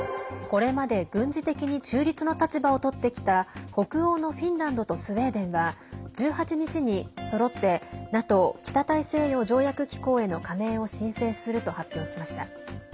これまで軍事的に中立の立場をとってきた北欧のフィンランドとスウェーデンは１８日にそろってＮＡＴＯ＝北大西洋条約機構への加盟を申請すると発表しました。